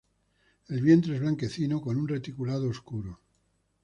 El vientre es blanquecino con un reticulado oscuro.